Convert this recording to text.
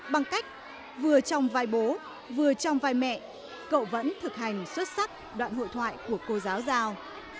bằng cách vừa trong vai bố vừa trong vai mẹ cậu vẫn thực hành xuất sắc đoạn hội thoại của cô giáo giao